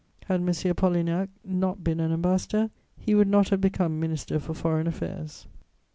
Had M. Polignac not been an ambassador, he would not have become Minister for Foreign Affairs.